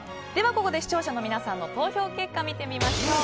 ここで視聴者の皆さんの投票結果を見てみましょう。